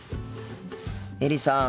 エリさん。